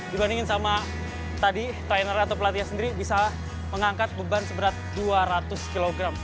dibandingkan dengan trainer atau pelatih sendiri bisa mengangkat beban seberat dua ratus kg